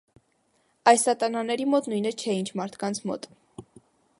Այն սատանաների մոտ նույնը չէ, ինչ մարդկանց մոտ։